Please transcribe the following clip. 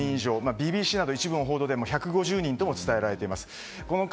ＢＢＣなどの報道では１１０人などと伝えられています。